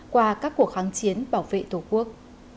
qua các cuộc kháng chiến bảo vệ tổ quốc